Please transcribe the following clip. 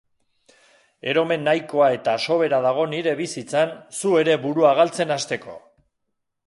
Eromen nahikoa eta sobera dago nire bizitzan zu ere burua galtzen hasteko.